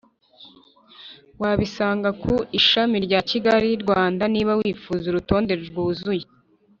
Wabisanga ku Ishami rya Kigali Rwanda Niba wifuza urutonde rwuzuye